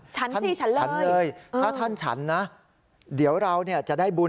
ฉันเลยฉันเลยถ้าท่านฉันนะเดี๋ยวเราเนี่ยจะได้บุญ